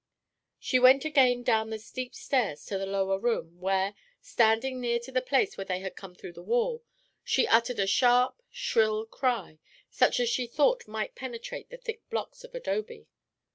She went again down the steep stairs to the lower room where, standing near to the place where they had come through the wall, she uttered a sharp, shrill cry, such as she thought might penetrate the thick blocks of adobe.